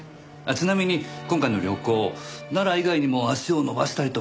ちなみに今回の旅行奈良以外にも足を延ばしたりとかは？